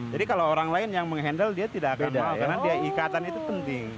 jadi kalau orang lain yang mengendal dia tidak akan mau karena dia ikatan itu penting